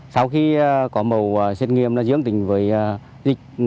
sau khi có mẫu xét nghiệm là dưỡng tình với dịch